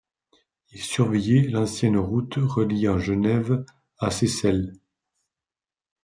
Il surveillait l'ancienne route reliant Genève à Seyssel.